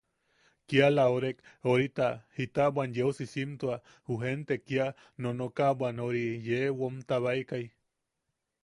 Kiala orek... orita... jita bwan yeu sisimtua... ju jente kia nonokabwan ori... yee womtabaikai.